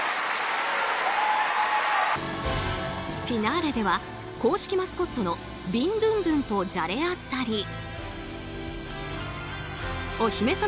フィナーレでは公式マスコットのビンドゥンドゥンとじゃれあったり